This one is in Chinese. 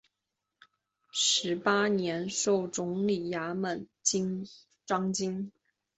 十八年授总理衙门章京。